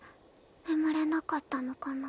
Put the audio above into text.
眠れなかったのかな？